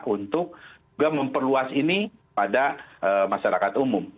untuk juga memperluas ini pada masyarakat umum